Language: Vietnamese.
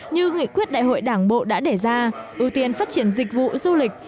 như nghị quyết đại hội đảng bộ đã để ra ưu tiên phát triển dịch vụ du lịch